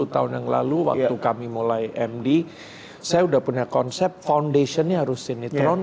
dua puluh tahun yang lalu waktu kami mulai md saya udah punya konsep foundation nya harus sinetron